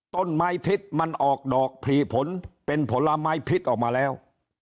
ต้นไม้พิษมันออกดอกผลีผลเป็นผลไม้พิษออกมาแล้ว